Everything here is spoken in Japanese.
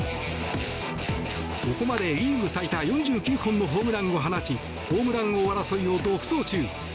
ここまでリーグ最多４９本のホームランを放ちホームラン王争いを独走中。